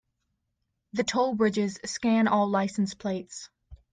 The toll bridges scan all license plates.